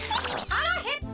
「はらへった！